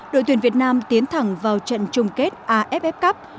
đội tuyển việt nam tiến thẳng vào trận chung kết aff cup